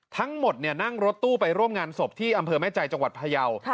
ทั้งหมดนั่งรถตู้ไปร่วมงานศพที่อำเภอแม่ใจจังหวัดพยาว